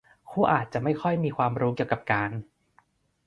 คู่อาจจะไม่ค่อยมีความรู้เกี่ยวกับการ